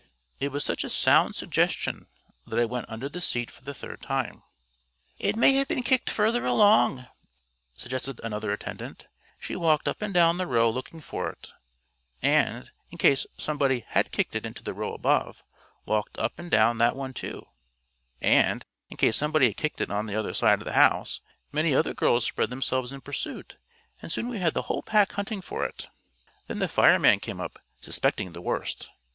It was such a sound suggestion that I went under the seat for the third time. "It may have been kicked further along," suggested another attendant. She walked up and down the row looking for it; and, in case somebody had kicked it into the row above, walked up and down that one too; and, in case somebody had kicked it on to the other side of the house, many other girls spread themselves in pursuit; and soon we had the whole pack hunting for it. Then the fireman came up, suspecting the worst.